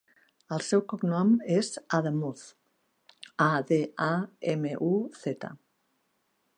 El seu cognom és Adamuz: a, de, a, ema, u, zeta.